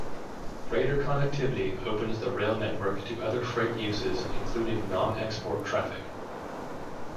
Greater connectivity opens the rail network to other freight uses including non-export traffic.